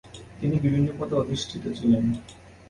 তিনি বিভিন্ন পদে অধিষ্ঠিত ছিলেন।